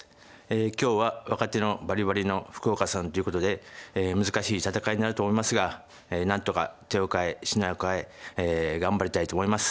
今日は若手のバリバリの福岡さんということで難しい戦いになると思いますが何とか手を替え品を替え頑張りたいと思います。